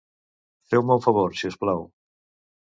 Feu-me un favor, si us plau.